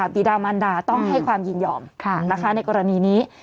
ปีดามันดาต้องให้ความยินยอมในกรณีนี้